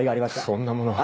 そんなものは。